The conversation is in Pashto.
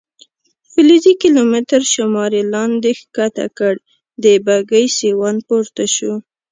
فلزي کیلومتر شمار یې لاندې کښته کړ، د بګۍ سیوان پورته و.